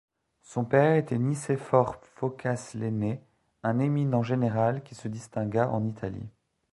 Son père était Nicéphore Phocas l'Aîné, un éminent général qui se distingua en Italie.